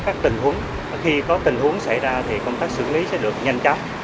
các tình huống khi có tình huống xảy ra thì công tác xử lý sẽ được nhanh chóng